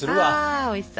あおいしそう。